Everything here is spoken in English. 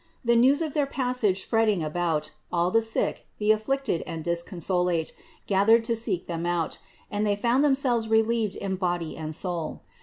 The news of their passage spreading about, all the sick, the afflicted and disconsolate gathered to seek Them out, and they found themselves relieved in body and soul.